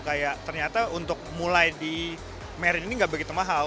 kayak ternyata untuk mulai di marine ini nggak begitu mahal